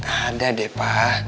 ada deh pa